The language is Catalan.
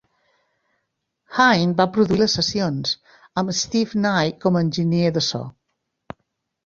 Hine va produir les sessions, amb Steve Nye com a enginyer de so.